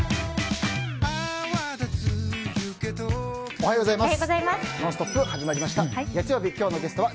⁉おはようございます。